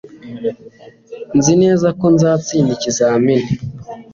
Nzi neza ko nzatsinda ikizamini